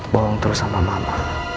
bohong terus sama mama